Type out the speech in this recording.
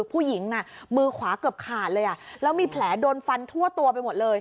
ผู้หญิงน่ะมือขวาเกือบขาดเลยแล้วมีแผลโดนฟันทั่วตัวไปหมดเลย